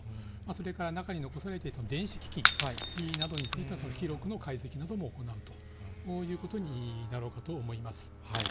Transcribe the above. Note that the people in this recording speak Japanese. それから中に残されていた電子機器などについては記録の解析なども行うということになろうかと思います。